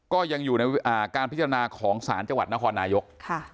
ก็ยังอยู่ในการพิจารณาของศาลจังหวัดนครนายก